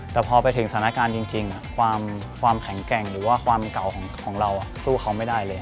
แต่พอไปถึงสถานการณ์จริงความแข็งแกร่งหรือว่าความเก่าของเราสู้เขาไม่ได้เลย